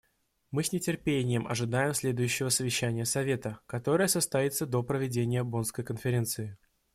Мы с нетерпением ожидаем следующего совещания Совета, которое состоится до проведения Боннской конференции.